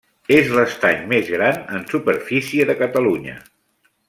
És l'estany més gran en superfície de Catalunya.